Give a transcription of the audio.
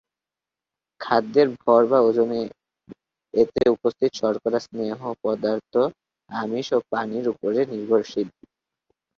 খাদ্যের ভর বা ওজনে এতে উপস্থিত শর্করা, স্নেহ পদার্থ, আমিষ ও পানির উপরে নির্ভরশীল।